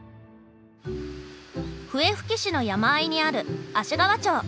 笛吹市の山あいにある芦川町。